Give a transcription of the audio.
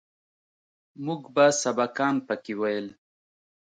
موږ به سبقان پکښې ويل.